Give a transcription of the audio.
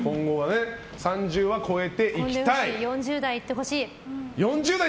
３０は超えていきたいと。